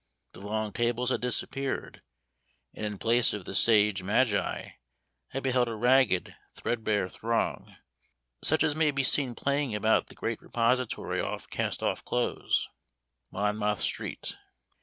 The long tables had disappeared, and, in place of the sage magi, I beheld a ragged, threadbare throng, such as may be seen plying about the great repository of cast off clothes, Monmouth Street.